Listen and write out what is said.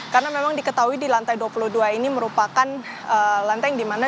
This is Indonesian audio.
karena memang diketahui di lantai dua puluh dua ini merupakan lantai yang dimana